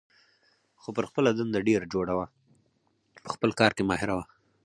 خو پر خپله دنده ډېره جوړه وه، په خپل کار کې ماهره وه.